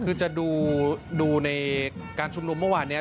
คือจะดูในการชุมนุมเมื่อวานนี้